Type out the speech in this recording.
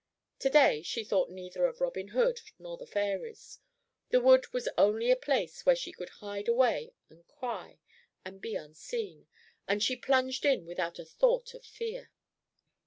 To day she thought neither of Robin Hood nor the fairies. The wood was only a place where she could hide away and cry and be unseen, and she plunged in without a thought of fear.